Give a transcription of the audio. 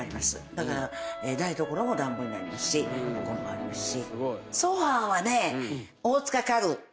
だから台所も暖房になりますしエアコンもありますし。